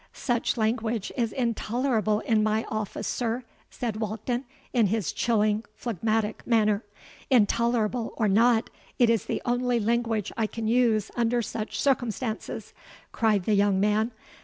—'Such language is intolerable in my office, sir,' said Walkden, in his chilling, phlegmatic manner.—'Intolerable or not, it is the only language I can use under such circumstances,' cried the young man.